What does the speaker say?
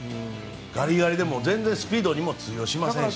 ガリガリで全然スピードも通用しませんし。